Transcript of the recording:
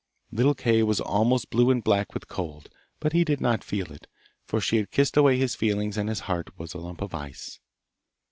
Little Kay was almost blue and black with cold, but he did not feel it, for she had kissed away his feelings and his heart was a lump of ice.